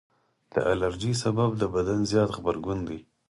د الرجي سبب د بدن زیات غبرګون دی.